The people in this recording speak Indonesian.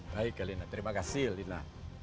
baik alina terima kasih alina